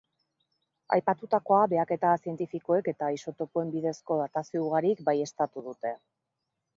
Aipatutakoa behaketa zientifikoek eta isotopoen bidezko datazio ugarik baieztatu dute.